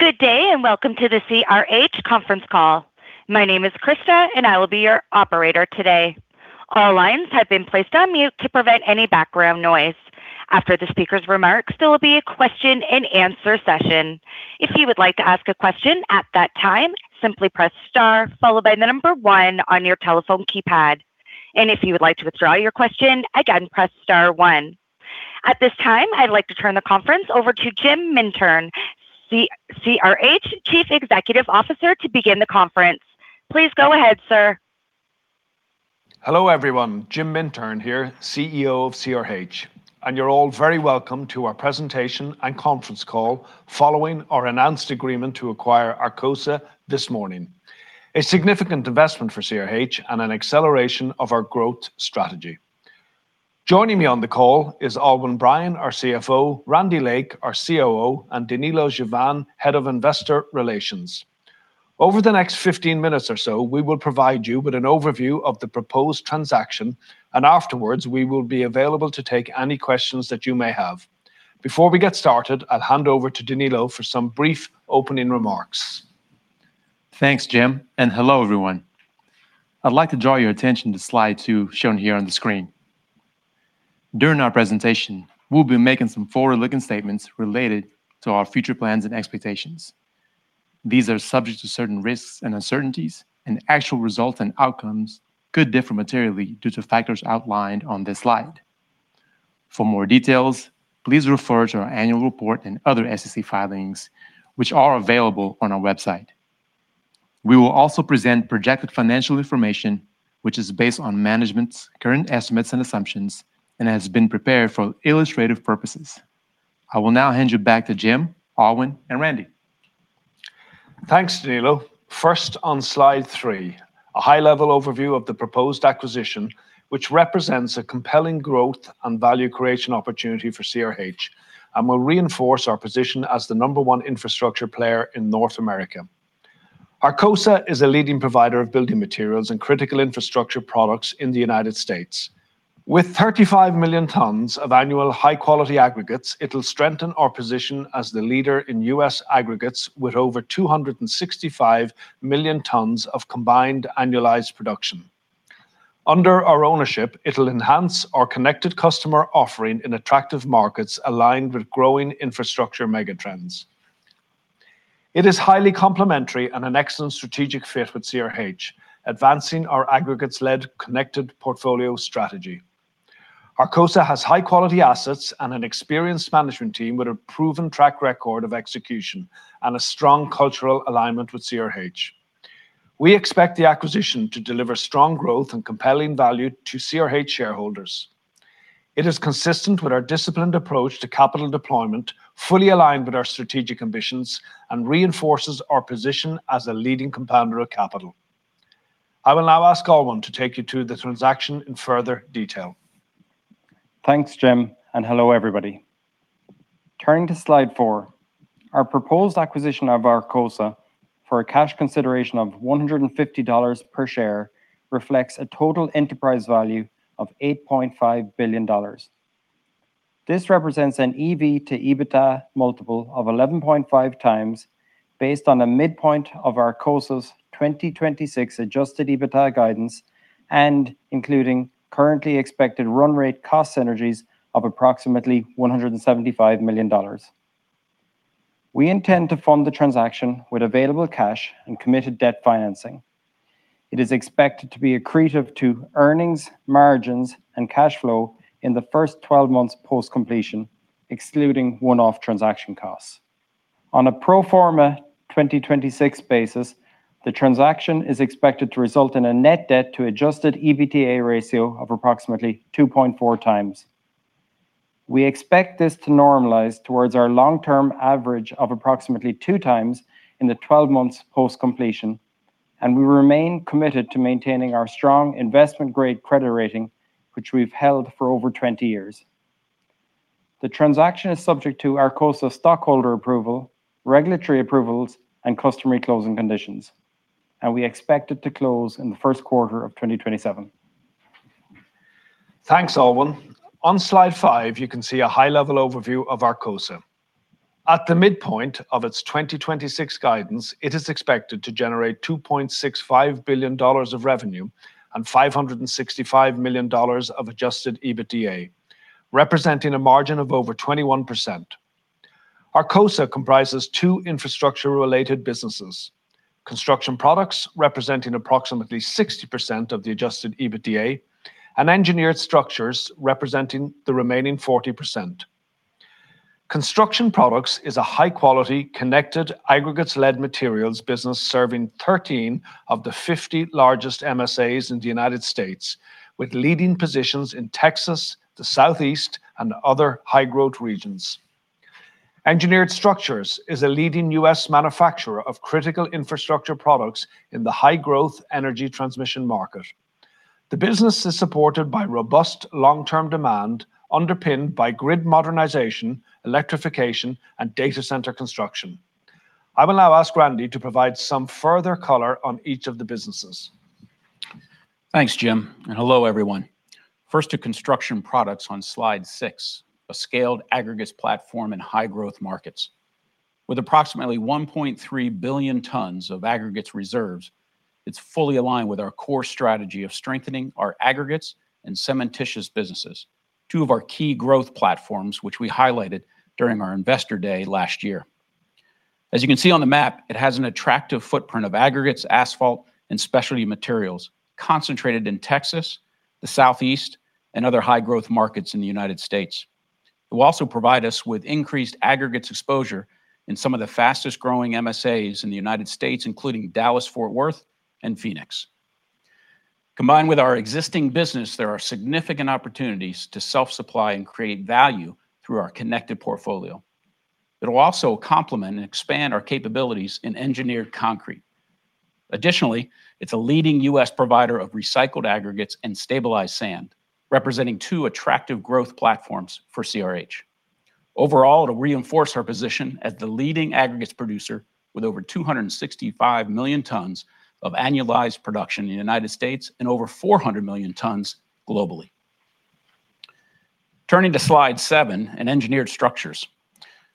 Good day, welcome to the CRH conference call. My name is Krista, and I will be your operator today. All lines have been placed on mute to prevent any background noise. After the speaker's remarks, there will be a question and answer session. If you would like to ask a question at that time, simply press star followed by the number one on your telephone keypad. If you would like to withdraw your question, again, press star one. At this time, I'd like to turn the conference over to Jim Mintern, CRH Chief Executive Officer, to begin the conference. Please go ahead, sir. Hello, everyone. Jim Mintern here, CEO of CRH, you're all very welcome to our presentation and conference call following our announced agreement to acquire Arcosa this morning. A significant investment for CRH and an acceleration of our growth strategy. Joining me on the call is Aylwyn Bryan, our CFO, Randy Lake, our COO, and Danilo Juvane, Head of Investor Relations. Over the next 15 minutes or so, we will provide you with an overview of the proposed transaction. Afterwards we will be available to take any questions that you may have. Before we get started, I'll hand over to Danilo for some brief opening remarks. Thanks, Jim, and hello, everyone. I'd like to draw your attention to slide two, shown here on the screen. During our presentation, we'll be making some forward-looking statements related to our future plans and expectations. These are subject to certain risks and uncertainties. Actual results and outcomes could differ materially due to factors outlined on this slide. For more details, please refer to our annual report and other SEC filings, which are available on our website. We will also present projected financial information, which is based on management's current estimates and assumptions and has been prepared for illustrative purposes. I will now hand you back to Jim, Aylwyn, and Randy. Thanks, Danilo. First, on slide three, a high-level overview of the proposed acquisition, which represents a compelling growth and value creation opportunity for CRH, will reinforce our position as the number one infrastructure player in North America. Arcosa is a leading provider of building materials and critical infrastructure products in the U.S. With 35 million tons of annual high-quality aggregates, it'll strengthen our position as the leader in U.S. aggregates with over 265 million tons of combined annualized production. Under our ownership, it'll enhance our connected customer offering in attractive markets aligned with growing infrastructure megatrends. It is highly complementary and an excellent strategic fit with CRH, advancing our aggregates-led connected portfolio strategy. Arcosa has high-quality assets and an experienced management team with a proven track record of execution and a strong cultural alignment with CRH. We expect the acquisition to deliver strong growth and compelling value to CRH shareholders. It is consistent with our disciplined approach to capital deployment, fully aligned with our strategic ambitions, and reinforces our position as a leading compounder of capital. I will now ask Aylwyn to take you through the transaction in further detail. Thanks, Jim, and hello, everybody. Turning to slide four. Our proposed acquisition of Arcosa for a cash consideration of $150 per share reflects a total enterprise value of $8.5 billion. This represents an EV to EBITDA multiple of 11.5 times based on a midpoint of Arcosa's 2026 adjusted EBITDA guidance and including currently expected run rate cost synergies of approximately $175 million. We intend to fund the transaction with available cash and committed debt financing. It is expected to be accretive to earnings, margins, and cash flow in the first 12 months post-completion, excluding one-off transaction costs. On a pro forma 2026 basis, the transaction is expected to result in a net debt to adjusted EBITDA ratio of approximately 2.4 times. We expect this to normalize towards our long-term average of approximately two times in the 12 months post-completion, and we remain committed to maintaining our strong investment-grade credit rating, which we've held for over 20 years. The transaction is subject to Arcosa's stockholder approval, regulatory approvals, and customary closing conditions, and we expect it to close in the first quarter of 2027. Thanks, Aylwyn. On slide five, you can see a high-level overview of Arcosa. At the midpoint of its 2026 guidance, it is expected to generate $2.65 billion of revenue and $565 million of adjusted EBITDA, representing a margin of over 21%. Arcosa comprises two infrastructure-related businesses, Construction Products, representing approximately 60% of the adjusted EBITDA, and Engineered Structures representing the remaining 40%. Construction Products is a high-quality, connected aggregates-led materials business serving 13 of the 50 largest MSAs in the U.S., with leading positions in Texas, the Southeast, and other high-growth regions. Engineered Structures is a leading U.S. manufacturer of critical infrastructure products in the high-growth energy transmission market. The business is supported by robust long-term demand, underpinned by grid modernization, electrification, and data center construction. I will now ask Randy to provide some further color on each of the businesses Thanks, Jim, and hello, everyone. First to Construction Products on slide six, a scaled Aggregates platform in high-growth markets. With approximately 1.3 billion tons of Aggregates reserves, it is fully aligned with our core strategy of strengthening our Aggregates and cementitious businesses, two of our key growth platforms, which we highlighted during our Investor Day last year. As you can see on the map, it has an attractive footprint of Aggregates, asphalt, and specialty materials concentrated in Texas, the Southeast, and other high-growth markets in the U.S. It will also provide us with increased Aggregates exposure in some of the fastest-growing MSAs in the U.S., including Dallas-Fort Worth and Phoenix. Combined with our existing business, there are significant opportunities to self-supply and create value through our connected portfolio. It will also complement and expand our capabilities in engineered concrete. Additionally, it is a leading U.S. provider of recycled aggregates and stabilized sand, representing two attractive growth platforms for CRH. Overall, it will reinforce our position as the leading Aggregates producer with over 265 million tons of annualized production in the U.S. and over 400 million tons globally. Turning to slide seven and Engineered Structures,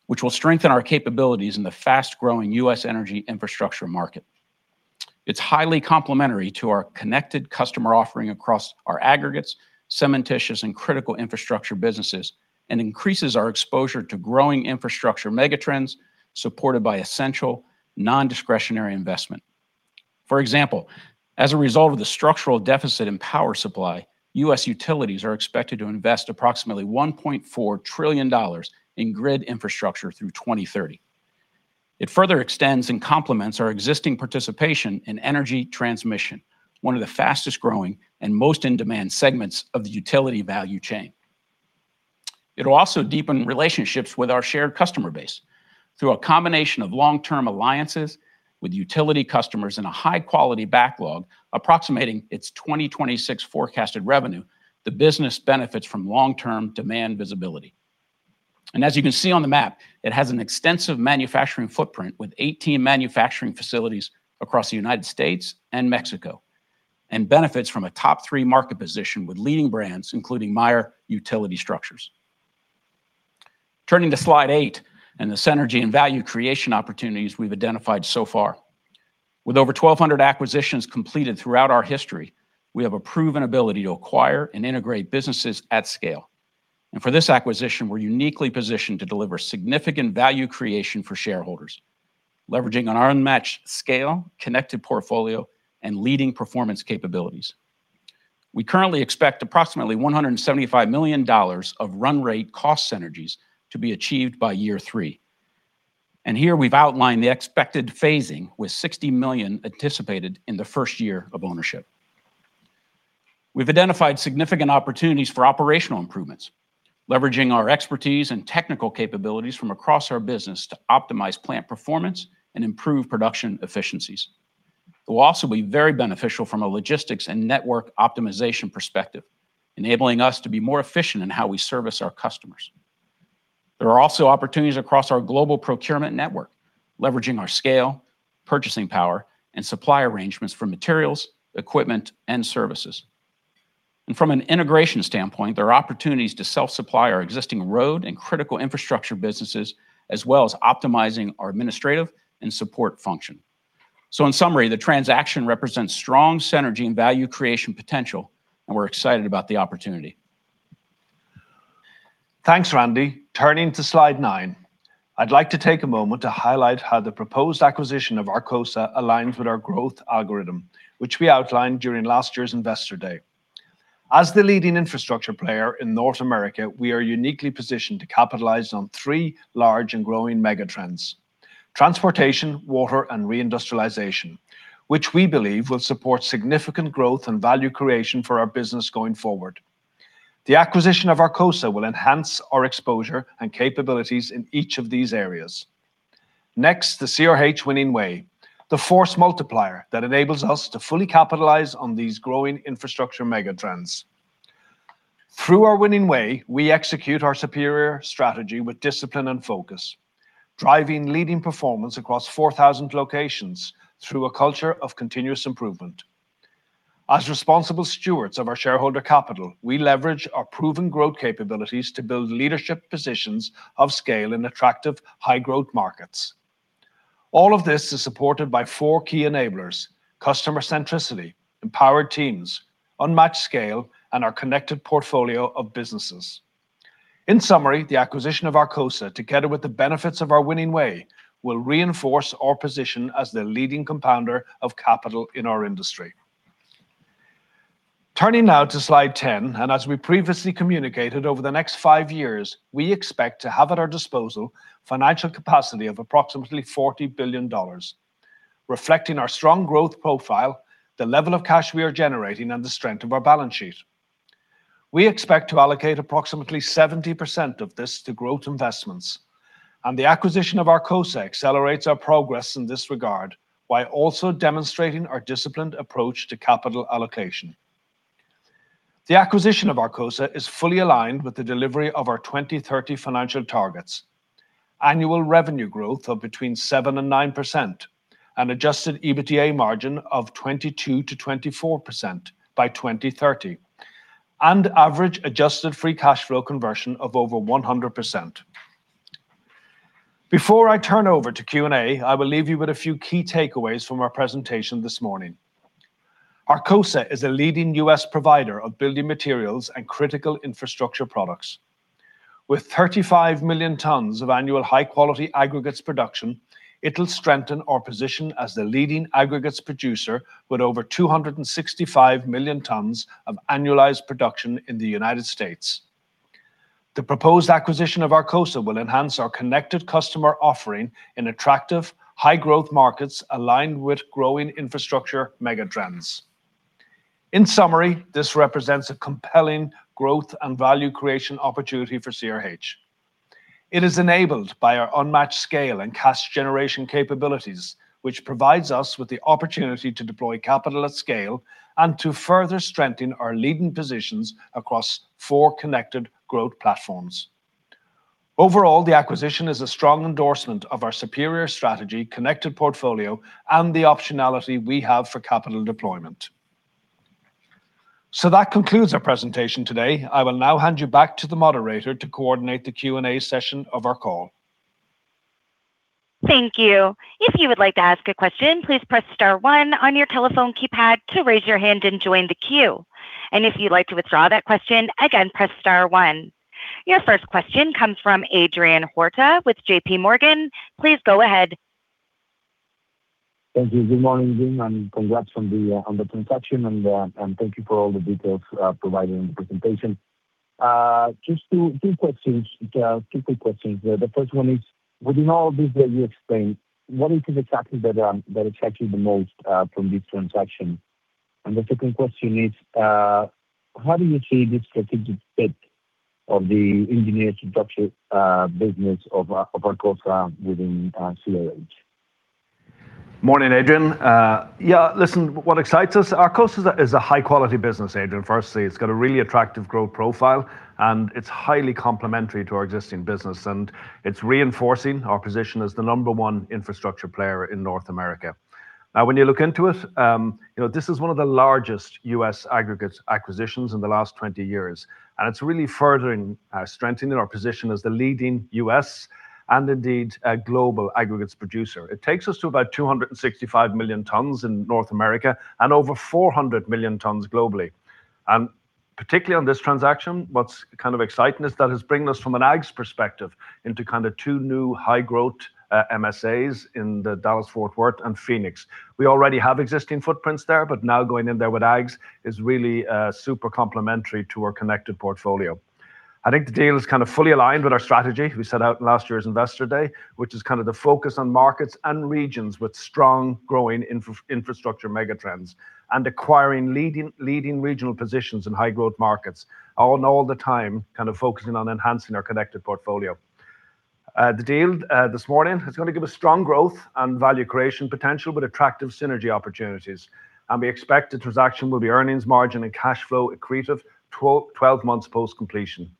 which will strengthen our capabilities in the fast-growing U.S. energy infrastructure market. It is highly complementary to our connected customer offering across our Aggregates, cementitious, and critical infrastructure businesses and increases our exposure to growing infrastructure megatrends supported by essential non-discretionary investment. For example, as a result of the structural deficit in power supply, U.S. utilities are expected to invest approximately $1.4 trillion in grid infrastructure through 2030. It further extends and complements our existing participation in energy transmission, one of the fastest-growing and most in-demand segments of the utility value chain. It will also deepen relationships with our shared customer base through a combination of long-term alliances with utility customers and a high-quality backlog approximating its 2026 forecasted revenue, the business benefits from long-term demand visibility. As you can see on the map, it has an extensive manufacturing footprint with 18 manufacturing facilities across the U.S. and Mexico and benefits from a top-three market position with leading brands, including Meyer Utility Structures. Turning to slide eight and the synergy and value creation opportunities we have identified so far. With over 1,200 acquisitions completed throughout our history, we have a proven ability to acquire and integrate businesses at scale. For this acquisition, we are uniquely positioned to deliver significant value creation for shareholders, leveraging on our unmatched scale, connected portfolio, and leading performance capabilities. We currently expect approximately $175 million of run rate cost synergies to be achieved by year three. Here we have outlined the expected phasing with $60 million anticipated in the first year of ownership. We have identified significant opportunities for operational improvements, leveraging our expertise and technical capabilities from across our business to optimize plant performance and improve production efficiencies. It will also be very beneficial from a logistics and network optimization perspective, enabling us to be more efficient in how we service our customers. There are also opportunities across our global procurement network, leveraging our scale, purchasing power, and supply arrangements for materials, equipment, and services. From an integration standpoint, there are opportunities to self-supply our existing road and critical infrastructure businesses, as well as optimizing our administrative and support function. In summary, the transaction represents strong synergy and value creation potential, and we are excited about the opportunity. Thanks, Randy. Turning to slide 9, I'd like to take a moment to highlight how the proposed acquisition of Arcosa aligns with our growth algorithm, which we outlined during last year's Investor Day. As the leading infrastructure player in North America, we are uniquely positioned to capitalize on three large and growing megatrends: transportation, water, and reindustrialization, which we believe will support significant growth and value creation for our business going forward. The acquisition of Arcosa will enhance our exposure and capabilities in each of these areas. The CRH Winning Way, the force multiplier that enables us to fully capitalize on these growing infrastructure megatrends. Through our Winning Way, we execute our superior strategy with discipline and focus, driving leading performance across 4,000 locations through a culture of continuous improvement. As responsible stewards of our shareholder capital, we leverage our proven growth capabilities to build leadership positions of scale in attractive high-growth markets. All of this is supported by four key enablers: customer centricity, empowered teams, unmatched scale, and our Connected Portfolio of businesses. The acquisition of Arcosa, together with the benefits of our Winning Way, will reinforce our position as the leading compounder of capital in our industry. Turning now to slide 10, as we previously communicated over the next five years, we expect to have at our disposal financial capacity of approximately $40 billion, reflecting our strong growth profile, the level of cash we are generating, and the strength of our balance sheet. We expect to allocate approximately 70% of this to growth investments. The acquisition of Arcosa accelerates our progress in this regard while also demonstrating our disciplined approach to capital allocation. The acquisition of Arcosa is fully aligned with the delivery of our 2030 financial targets, annual revenue growth of between 7%-9%, an adjusted EBITDA margin of 22%-24% by 2030, and average adjusted free cash flow conversion of over 100%. Before I turn over to Q&A, I will leave you with a few key takeaways from our presentation this morning. Arcosa is a leading U.S. provider of building materials and critical infrastructure products. With 35 million tons of annual high-quality aggregates production, it'll strengthen our position as the leading aggregates producer with over 265 million tons of annualized production in the United States. The proposed acquisition of Arcosa will enhance our connected customer offering in attractive high-growth markets aligned with growing infrastructure megatrends. This represents a compelling growth and value creation opportunity for CRH. It is enabled by our unmatched scale and cash generation capabilities, which provides us with the opportunity to deploy capital at scale and to further strengthen our leading positions across four connected growth platforms. The acquisition is a strong endorsement of our superior strategy, Connected Portfolio, and the optionality we have for capital deployment. That concludes our presentation today. I will now hand you back to the moderator to coordinate the Q&A session of our call. Thank you. If you would like to ask a question, please press star one on your telephone keypad to raise your hand and join the queue. If you'd like to withdraw that question, again, press star one. Your first question comes from Adrian Huerta with JPMorgan. Please go ahead. Thank you. Good morning, Jim, congrats on the transaction, thank you for all the details provided in the presentation. Just two quick questions there. The first one is, within all this that you explained, what is it exactly that excites you the most from this transaction? The second question is, how do you see the strategic fit of the Engineered Structures business of Arcosa within CRH? Morning, Adrian. Listen, what excites us, Arcosa is a high-quality business, Adrian. Firstly, it's got a really attractive growth profile, it's highly complementary to our existing business, it's reinforcing our position as the number one infrastructure player in North America. When you look into it, this is one of the largest U.S. Aggregates acquisitions in the last 20 years, it's really furthering strengthening our position as the leading U.S., indeed, global Aggregates producer. It takes us to about 265 million tons in North America and over 400 million tons globally. Particularly on this transaction, what's exciting is that it's bringing us from an Aggs perspective into two new high growth MSAs in the Dallas-Fort Worth and Phoenix. We already have existing footprints there, but now going in there with Aggs is really super complementary to our connected portfolio. I think the deal is fully aligned with our strategy we set out in last year's Investor Day, which is the focus on markets and regions with strong growing infrastructure megatrends, acquiring leading regional positions in high-growth markets, all the time focusing on enhancing our connected portfolio. The deal this morning is going to give us strong growth and value creation potential with attractive synergy opportunities, we expect the transaction will be earnings margin and cash flow accretive 12 months post-completion. When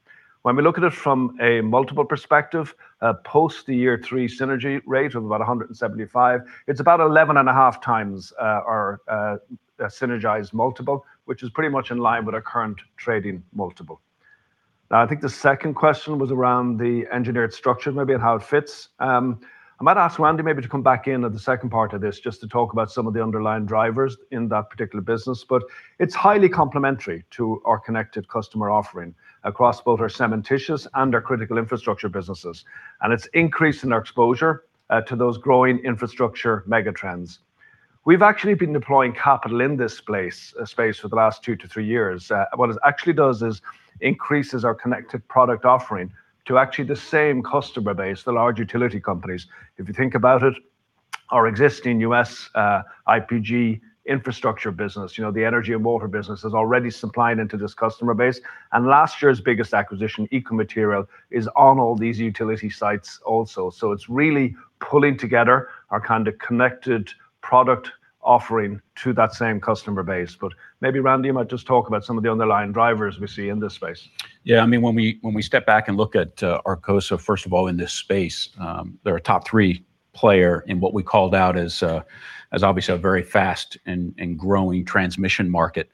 we look at it from a multiple perspective, post the year three synergy rate of about 175, it's about 11.5x our synergized multiple, which is pretty much in line with our current trading multiple. I think the second question was around the Engineered Structures maybe and how it fits. I might ask Randy maybe to come back in at the second part of this just to talk about some of the underlying drivers in that particular business. It's highly complementary to our connected customer offering across both our cementitious and our critical infrastructure businesses. It's increasing our exposure to those growing infrastructure megatrends. We've actually been deploying capital in this space for the last two to three years. What it actually does is increases our connected product offering to actually the same customer base, the large utility companies. If you think about it, our existing U.S. IPG infrastructure business, the energy and water business, is already supplying into this customer base. Last year's biggest acquisition, Eco Material, is on all these utility sites also. It's really pulling together our kind of connected product offering to that same customer base. Maybe Randy might just talk about some of the underlying drivers we see in this space. When we step back and look at Arcosa, first of all, in this space, they're a top three player in what we called out as obviously a very fast and growing transmission market.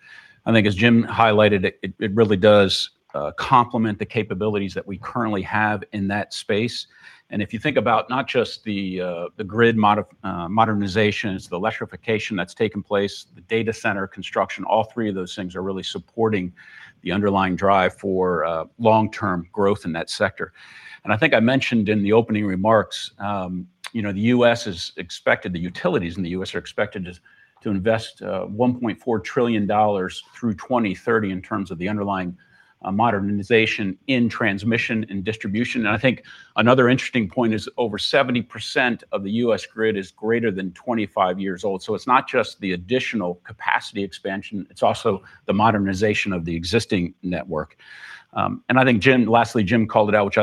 I think as Jim highlighted, it really does complement the capabilities that we currently have in that space. If you think about not just the grid modernizations, the electrification that's taken place, the data center construction, all three of those things are really supporting the underlying drive for long-term growth in that sector. I think I mentioned in the opening remarks, the utilities in the U.S. are expected to invest $1.4 trillion through 2030 in terms of the underlying modernization in transmission and distribution. I think another interesting point is over 70% of the U.S. grid is greater than 25 years old. It's not just the additional capacity expansion, it's also the modernization of the existing network. I think lastly, Jim called it out, which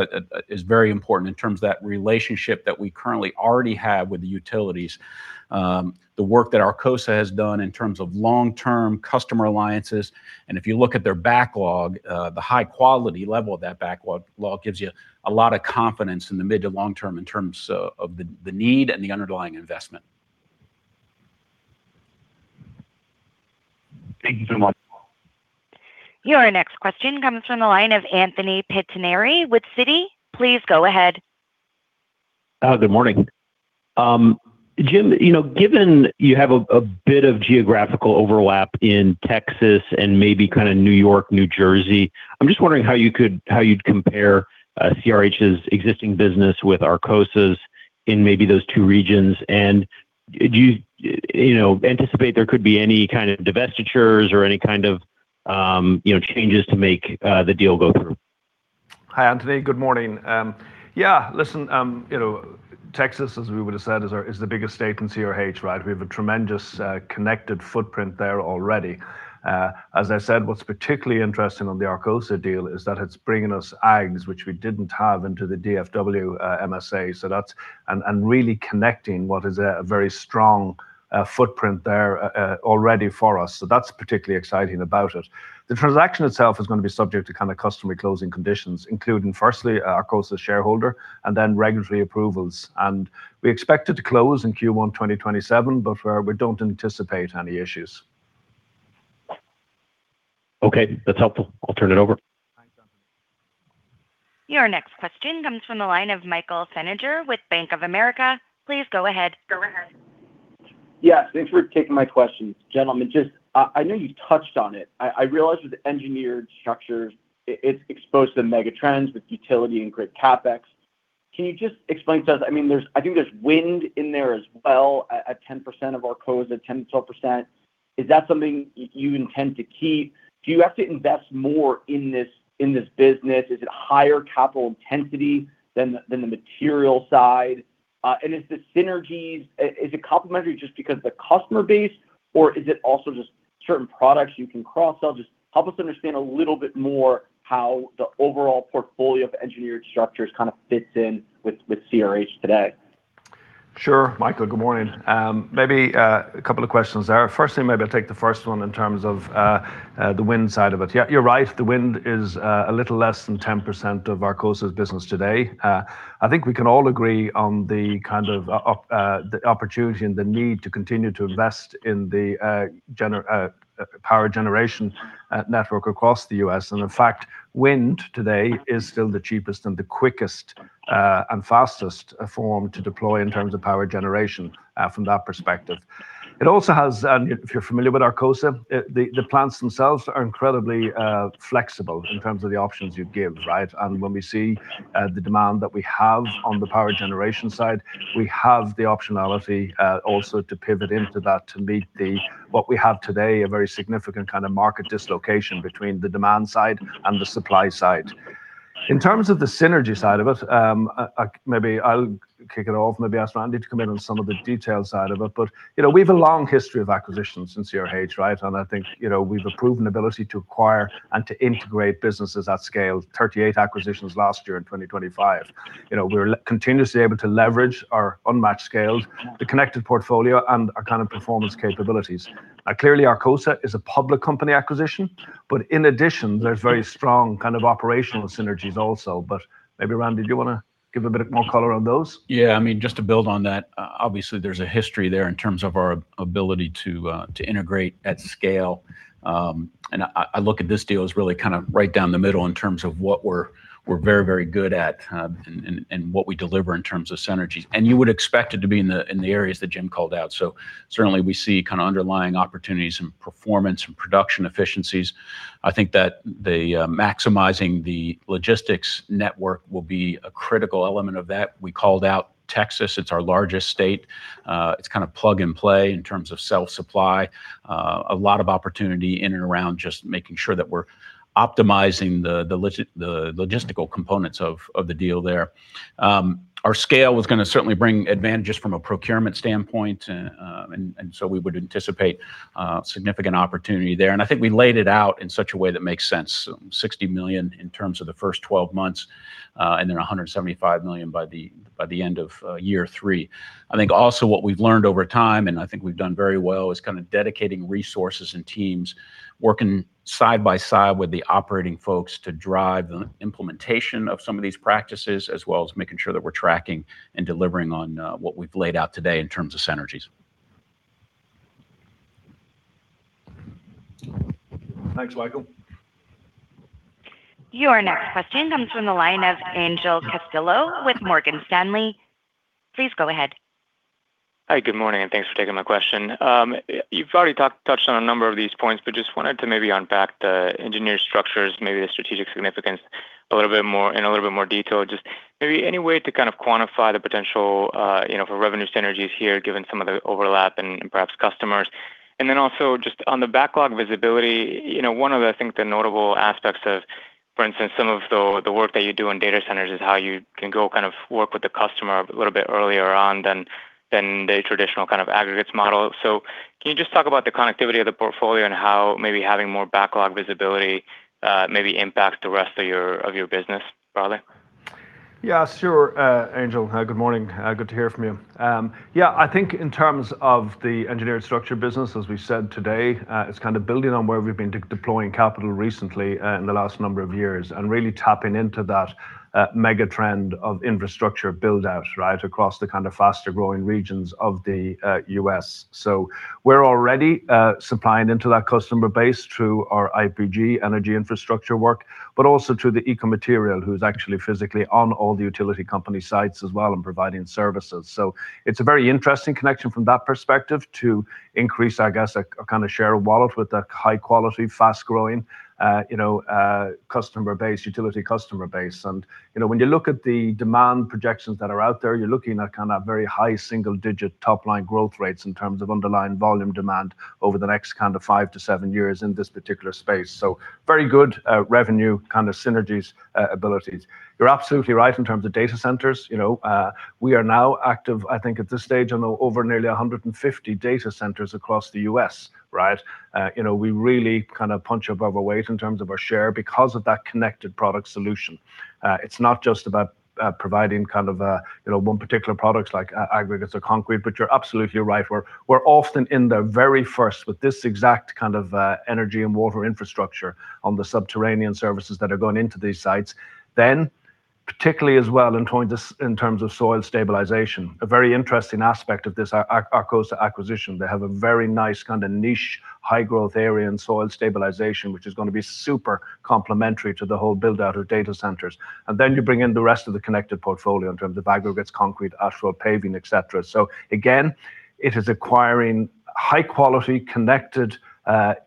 is very important in terms of that relationship that we currently already have with the utilities. The work that Arcosa has done in terms of long-term customer alliances, and if you look at their backlog, the high quality level of that backlog gives you a lot of confidence in the mid to long term in terms of the need and the underlying investment. Thank you so much. Your next question comes from the line of Anthony Pettinari with Citi. Please go ahead. Good morning. Jim, given you have a bit of geographical overlap in Texas and maybe New York, New Jersey, I'm just wondering how you'd compare CRH's existing business with Arcosa's in maybe those two regions. Do you anticipate there could be any kind of divestitures or any kind of changes to make the deal go through? Hi, Anthony. Good morning. Yeah, listen, Texas, as we would've said, is the biggest state in CRH, right? We have a tremendous connected footprint there already. As I said, what's particularly interesting on the Arcosa deal is that it's bringing us ags, which we didn't have, into the DFW MSA. Really connecting what is a very strong footprint there already for us. That's particularly exciting about it. The transaction itself is going to be subject to customary closing conditions, including firstly, Arcosa shareholder and then regulatory approvals. We expect it to close in Q1 2027, but we don't anticipate any issues. Okay. That's helpful. I'll turn it over. Thanks, Anthony. Your next question comes from the line of Michael Feniger with Bank of America. Please go ahead. Yeah. Thanks for taking my questions. Gentlemen, just, I know you touched on it. I realize with the Engineered Structures, it's exposed to mega trends with utility and grid CapEx. Can you just explain to us, I think there's wind in there as well at 10% of Arcosa, 10%-12%. Is that something you intend to keep? Do you have to invest more in this business? Is it higher capital intensity than the material side? Is the synergies, is it complementary just because of the customer base, or is it also just certain products you can cross-sell? Just help us understand a little bit more how the overall portfolio of Engineered Structures fits in with CRH today. Sure, Michael, good morning. Maybe a couple of questions there. Firstly, maybe I'll take the first one in terms of the wind side of it. Yeah, you're right. The wind is a little less than 10% of Arcosa's business today. I think we can all agree on the opportunity and the need to continue to invest in the power generation network across the U.S. In fact, wind today is still the cheapest and the quickest, and fastest form to deploy in terms of power generation, from that perspective. It also has, if you're familiar with Arcosa, the plants themselves are incredibly flexible in terms of the options you give, right? When we see the demand that we have on the power generation side, we have the optionality also to pivot into that to meet what we have today, a very significant kind of market dislocation between the demand side and the supply side. In terms of the synergy side of it, maybe I'll kick it off, maybe ask Randy to come in on some of the detail side of it. We've a long history of acquisitions in CRH, right? I think we've a proven ability to acquire and to integrate businesses at scale, 38 acquisitions last year in 2025. We're continuously able to leverage our unmatched scales, the connected portfolio, and our kind of performance capabilities. Clearly Arcosa is a public company acquisition, in addition, there's very strong kind of operational synergies also. Maybe Randy, do you want to give a bit more color on those? Yeah, just to build on that, obviously there's a history there in terms of our ability to integrate at scale. I look at this deal as really right down the middle in terms of what we're very, very good at, and what we deliver in terms of synergies. You would expect it to be in the areas that Jim called out. Certainly we see underlying opportunities in performance and production efficiencies. I think that maximizing the logistics network will be a critical element of that. We called out Texas. It's our largest state. It's kind of plug and play in terms of self-supply. A lot of opportunity in and around just making sure that we're optimizing the logistical components of the deal there. Our scale is going to certainly bring advantages from a procurement standpoint, and so we would anticipate significant opportunity there. I think we laid it out in such a way that makes sense, $60 million in terms of the first 12 months, and then $175 million by the end of year three. I think also what we've learned over time, and I think we've done very well, is dedicating resources and teams, working side by side with the operating folks to drive the implementation of some of these practices, as well as making sure that we're tracking and delivering on what we've laid out today in terms of synergies. Thanks, Michael. Your next question comes from the line of Angel Castillo with Morgan Stanley. Please go ahead. Hi, good morning. Thanks for taking my question. You've already touched on a number of these points, but just wanted to maybe unpack the Engineered Structures, maybe the strategic significance in a little bit more detail. Just maybe any way to quantify the potential for revenue synergies here, given some of the overlap and perhaps customers. Then also just on the backlog visibility, one of I think the notable aspects of, for instance, some of the work that you do in data centers is how you can go work with the customer a little bit earlier on than the traditional Aggregates model. Can you just talk about the connectivity of the portfolio and how maybe having more backlog visibility maybe impact the rest of your business broadly? Yeah, sure. Angel. Good morning. Good to hear from you. Yeah, I think in terms of the Engineered Structures business, as we've said today, it's kind of building on where we've been deploying capital recently in the last number of years and really tapping into that mega trend of infrastructure build-out across the kind of faster-growing regions of the U.S. We're already supplying into that customer base through our IPG energy infrastructure work, but also through the Eco Material Technologies, who's actually physically on all the utility company sites as well and providing services. It's a very interesting connection from that perspective to increase, I guess, a kind of share of wallet with a high quality, fast-growing utility customer base. When you look at the demand projections that are out there, you're looking at very high single digit top line growth rates in terms of underlying volume demand over the next kind of five to seven years in this particular space. Very good revenue kind of synergies abilities. You're absolutely right in terms of data centers. We are now active, I think at this stage, on over nearly 150 data centers across the U.S. We really kind of punch above our weight in terms of our share because of that connected product solution. It's not just about providing one particular product like Aggregates or concrete, but you're absolutely right. We're often in there very first with this exact kind of energy and water infrastructure on the subterranean services that are going into these sites. Particularly as well in terms of soil stabilization, a very interesting aspect of this Arcosa acquisition, they have a very nice kind of niche, high growth area in soil stabilization, which is going to be super complementary to the whole build out of data centers. You bring in the rest of the connected portfolio in terms of Aggregates, concrete, asphalt, paving, et cetera. Again, it is acquiring high quality connected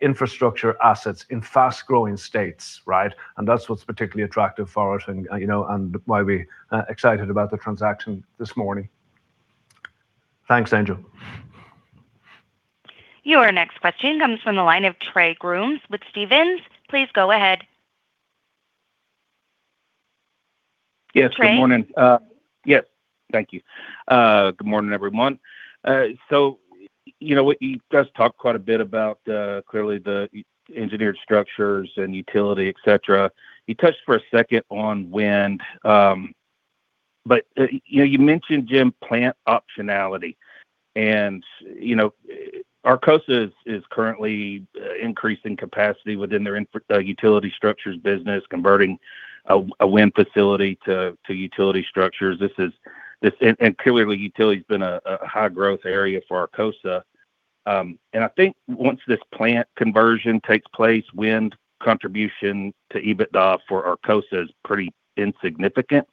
infrastructure assets in fast-growing states. Right? That's what's particularly attractive for it and why we are excited about the transaction this morning. Thanks, Angel. Your next question comes from the line of Trey Grooms with Stephens. Please go ahead. Trey. Yes. Good morning. Yes. Thank you. Good morning, everyone. You guys talked quite a bit about clearly the Engineered Structures and utility, et cetera. You touched for a second on wind. You mentioned, Jim, plant optionality. Arcosa is currently increasing capacity within their Utility Structures business, converting a wind facility to Utility Structures. Clearly, utility has been a high growth area for Arcosa. I think once this plant conversion takes place, wind contribution to EBITDA for Arcosa is pretty insignificant.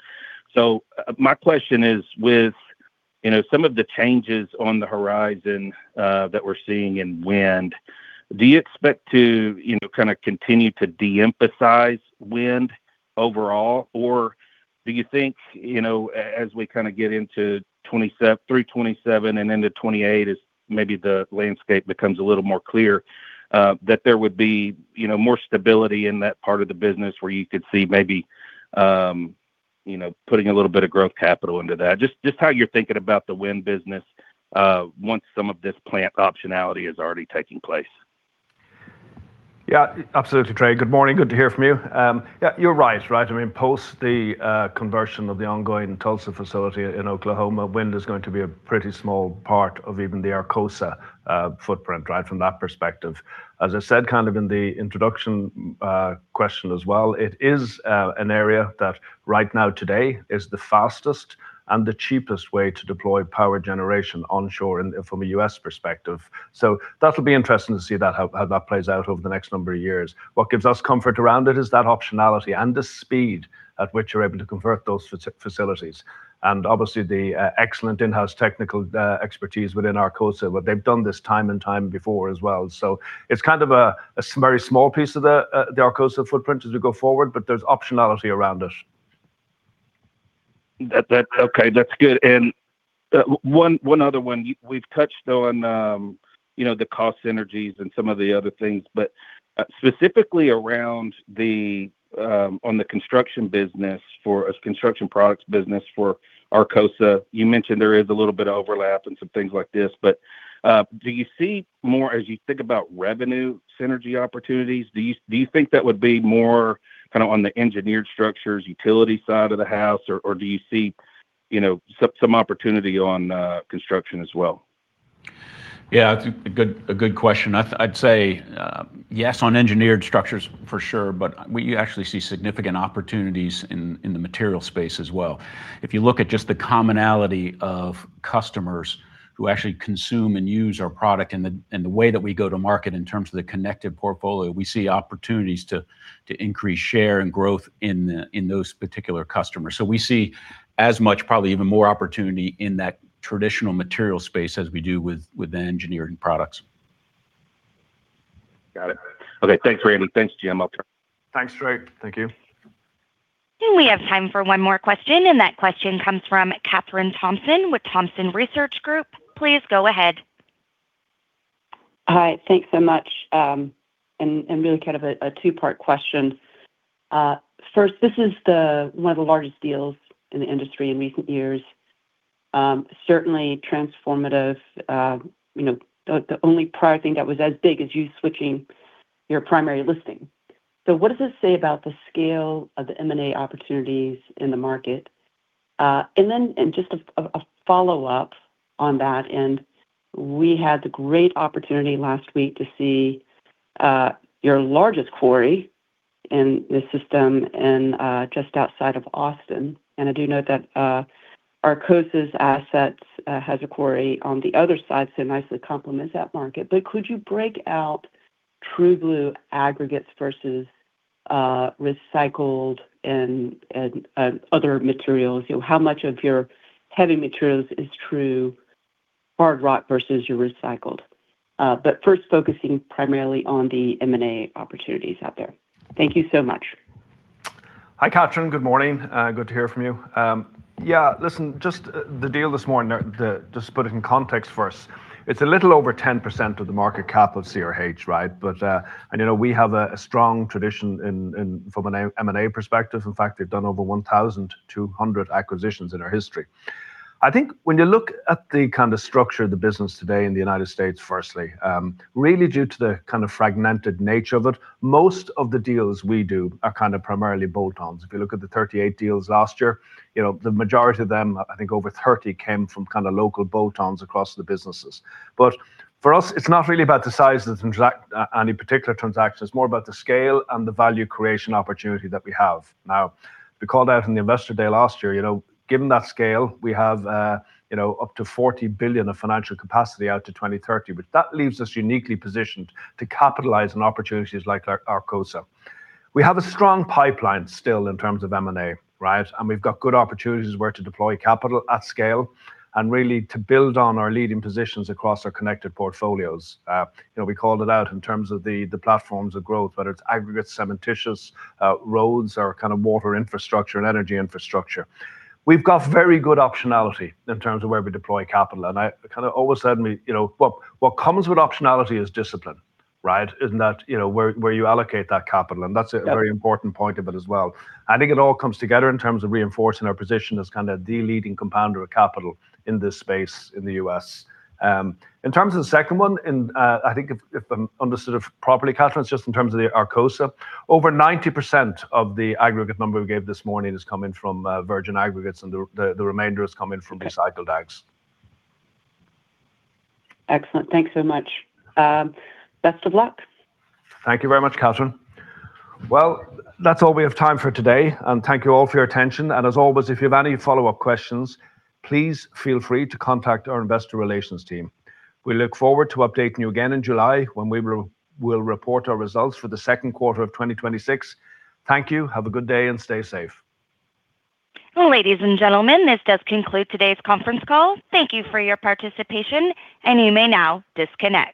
My question is with some of the changes on the horizon that we're seeing in wind, do you expect to kind of continue to de-emphasize wind overall? Do you think as we kind of get into through 2027 and into 2028 as maybe the landscape becomes a little more clear, that there would be more stability in that part of the business where you could see maybe putting a little bit of growth capital into that? Just how you're thinking about the wind business once some of this plant optionality is already taking place. Yeah, absolutely. Trey, good morning. Good to hear from you. Yeah, you're right. Post the conversion of the ongoing Tulsa facility in Oklahoma, wind is going to be a pretty small part of even the Arcosa footprint from that perspective. As I said kind of in the introduction question as well, it is an area that right now today is the fastest and the cheapest way to deploy power generation onshore and from a U.S. perspective. That'll be interesting to see how that plays out over the next number of years. What gives us comfort around it is that optionality and the speed at which you're able to convert those facilities, and obviously the excellent in-house technical expertise within Arcosa, they've done this time and time before as well. It's kind of a very small piece of the Arcosa footprint as we go forward, there's optionality around it. Okay. That's good. One other one. We've touched on the cost synergies and some of the other things, specifically around on the Construction Products business for Arcosa, you mentioned there is a little bit of overlap and some things like this, do you see more as you think about revenue synergy opportunities, do you think that would be more kind of on the Engineered Structures, utility side of the house, or do you see some opportunity on construction as well? Yeah, it's a good question. I'd say yes on Engineered Structures for sure, we actually see significant opportunities in the material space as well. If you look at just the commonality of customers who actually consume and use our product and the way that we go to market in terms of the connected portfolio, we see opportunities to increase share and growth in those particular customers. We see as much, probably even more opportunity in that traditional material space as we do with the engineering products. Got it. Okay, thanks, Randy. Thanks, Jim. Thanks, Trey. Thank you. We have time for one more question. That question comes from Kathryn Thompson with Thompson Research Group. Please go ahead. Hi. Thanks so much. Really kind of a two-part question. First, this is one of the largest deals in the industry in recent years, certainly transformative. The only prior thing that was as big is you switching your primary listing. What does this say about the scale of the M&A opportunities in the market? Then just a follow-up on that, we had the great opportunity last week to see your largest quarry in the system just outside of Austin. I do note that Arcosa's assets has a quarry on the other side, so it nicely complements that market. Could you break out true blue aggregates versus recycled and other materials? How much of your heavy materials is true hard rock versus your recycled? First focusing primarily on the M&A opportunities out there. Thank you so much. Hi, Kathryn. Good morning. Good to hear from you. Listen, just the deal this morning, just to put it in context first, it's a little over 10% of the market cap of CRH, right? We have a strong tradition from an M&A perspective. In fact, we've done over 1,200 acquisitions in our history. I think when you look at the kind of structure of the business today in the U.S., firstly, really due to the kind of fragmented nature of it, most of the deals we do are kind of primarily bolt-ons. If you look at the 38 deals last year, the majority of them, I think over 30, came from kind of local bolt-ons across the businesses. For us, it's not really about the size of any particular transaction. It's more about the scale and the value creation opportunity that we have. We called out in the Investor Day last year, given that scale, we have up to $40 billion of financial capacity out to 2030. That leaves us uniquely positioned to capitalize on opportunities like Arcosa. We have a strong pipeline still in terms of M&A, right? We've got good opportunities where to deploy capital at scale and really to build on our leading positions across our connected portfolios. We called it out in terms of the platforms of growth, whether it's Aggregates, cementitious, roads, or kind of water infrastructure and energy infrastructure. We've got very good optionality in terms of where we deploy capital. I kind of always said, what comes with optionality is discipline, right? In that where you allocate that capital. That's a very important point of it as well. I think it all comes together in terms of reinforcing our position as kind of the leading compounder of capital in this space in the U.S. In terms of the second one, I think if I've understood it properly, Kathryn, just in terms of the Arcosa, over 90% of the aggregate number we gave this morning is coming from virgin aggregates, and the remainder is coming from recycled aggregates. Excellent. Thanks so much. Best of luck. Thank you very much, Kathryn. That's all we have time for today, and thank you all for your attention. As always, if you have any follow-up questions, please feel free to contact our investor relations team. We look forward to updating you again in July when we'll report our results for the second quarter of 2026. Thank you. Have a good day and stay safe. Ladies and gentlemen, this does conclude today's conference call. Thank you for your participation, and you may now disconnect.